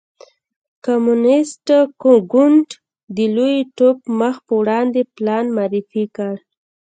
کمونېست ګوند د لوی ټوپ مخ په وړاندې پلان معرفي کړ.